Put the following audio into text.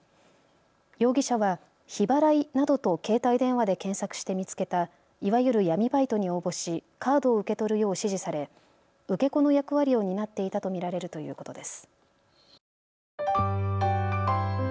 容疑者は日払いなどと携帯電話で検索して見つけたいわゆる闇バイトに応募しカードを受け取るよう指示され受け子の役割を担っていたと見られるということです。